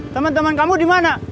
temen temen kamu dimana